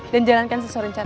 dan jalankan sesuai rencana